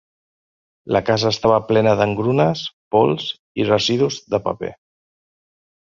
La casa estava plena d'engrunes, pols i residus de paper.